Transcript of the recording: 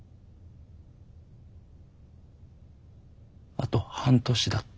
あと半年だって。